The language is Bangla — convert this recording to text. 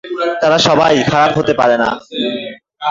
তারা সবাই খারাপ হতে পারে না!